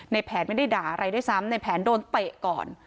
แผนไม่ได้ด่าอะไรด้วยซ้ำในแผนโดนเตะก่อน